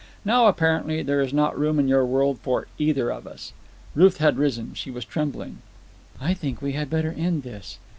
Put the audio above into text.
Now, apparently, there is not room in your world for either of us." Ruth had risen. She was trembling. "I think we had better end this."